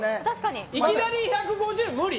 いきなり１５０無理？